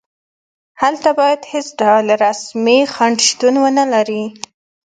هلته باید هېڅ ډول رسمي خنډ شتون ونلري.